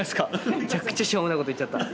めちゃくちゃしょうもない事言っちゃった。